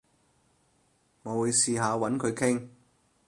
我會試下搵佢傾